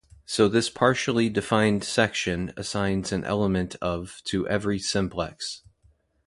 So this partially defined section assigns an element of to every -simplex.